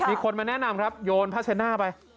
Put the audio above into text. มีคนมาแนะนำครับโยนผ้าเชน่าไป